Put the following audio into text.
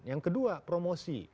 yang kedua promosi